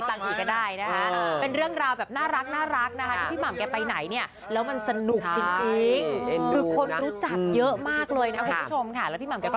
ไม่ได้เห็นคอนเทนต์แบบน่ารักแบบเนี้ย